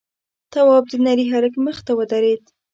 تواب د نري هلک مخې ته ودرېد: